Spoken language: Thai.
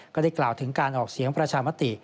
ก็ได้กล่าวถึงการออกเสียงประชามติ